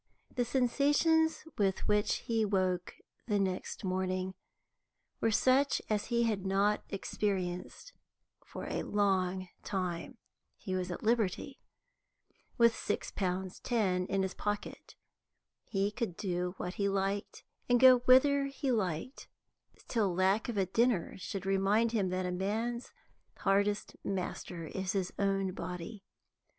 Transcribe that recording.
The sensations with which he woke next morning were such as he had not experienced for a long time. He was at liberty, with six pounds ten in his pocket. He could do what he liked and go whither he liked, till lack of a dinner should remind him that a man's hardest master is his own body.